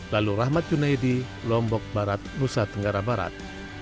lalu rahmat junaidi lombok barat nusa tenggara barat